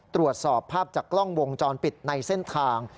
ตรวจสอบภาพจากกล้องวงจรปิดในเส้นทาง